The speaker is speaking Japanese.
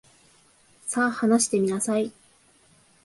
さ、話してみなさい。